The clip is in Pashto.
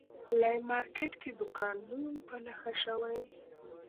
لا یې مارکېټ کې دوکان نه وو په نښه شوی.